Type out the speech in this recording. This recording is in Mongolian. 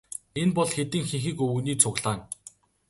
Энэ бол хэдэн хэнхэг өвгөний цуглаан.